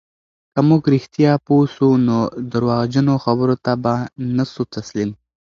که موږ رښتیا پوه سو، نو درواغجنو خبرو ته به نه سو تسلیم.